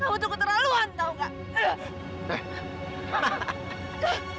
kamu cukup keterlaluan tahu nggak